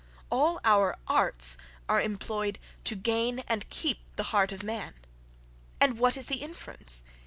"All our ARTS are employed to gain and keep the heart of man:" and what is the inference?